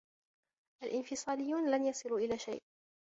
الإنفصاليون لن يصلوا إلى شيئ.